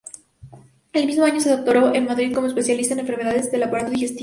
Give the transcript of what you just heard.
El mismo año, se doctoró en Madrid como especialista en enfermedades del aparato digestivo.